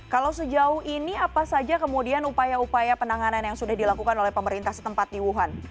kalau sejauh ini apa saja kemudian upaya upaya penanganan yang sudah dilakukan oleh pemerintah setempat di wuhan